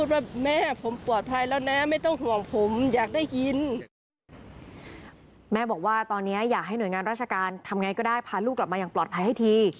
ได้ยินแม่บอกว่าตอนนี้อยากให้หน่วยงานราชการทำไงก็ได้พาลูกกลับมาอย่างปลอดภัยให้ที